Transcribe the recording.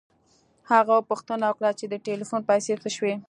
هغه پوښتنه وکړه چې د ټیلیفون پیسې څه شوې